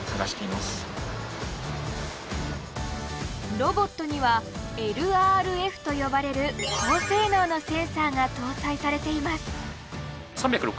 ロボットには「ＬＲＦ」と呼ばれる高性能のセンサーが搭載されています。